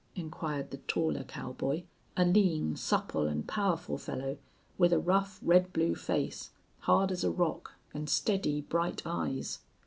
inquired the taller cowboy, a lean, supple, and powerful fellow, with a rough, red blue face, hard as a rock, and steady, bright eyes.